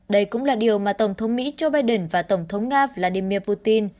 đây cũng là điều mà tổng thống mỹ joe biden và tổng thống nga vladimir putin